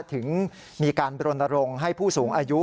ถึงมีการบรณรงค์ให้ผู้สูงอายุ